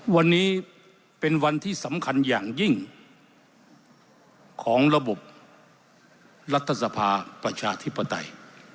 วันนี้เป็นวันที่สำคัญอย่างยิ่งของระบบรัฐสภาประชาธิปไตย